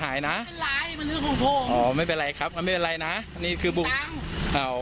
อ่าไม่เป็นไรครับไม่เป็นไรนะ